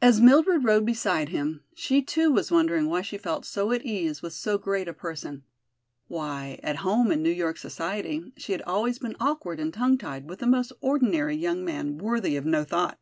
As Mildred rode beside him, she too was wondering why she felt so at ease with so great a person. Why, at home, in New York society, she had always been awkward and tongue tied with the most ordinary young man worthy of no thought.